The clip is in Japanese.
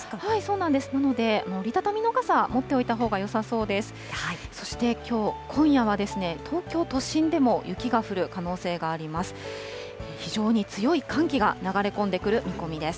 なので、折り畳みの傘、持っておいたほうがよさそうです。